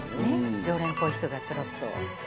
常連っぽい人がちょろっと。